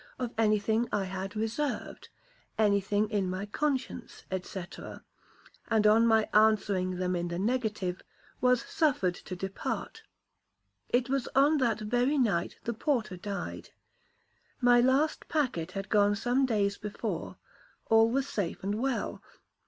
of any thing I had reserved? any thing in my conscience? &c.—and on my answering them in the negative, was suffered to depart. It was on that very night the porter died. My last packet had gone some days before,—all was safe and well.